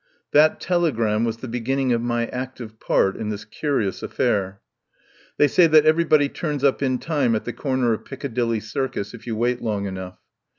That telegram was the beginning of my active part in this curious affair. They say that everybody turns up in time at the corner of Piccadilly Circus if you wait long enough.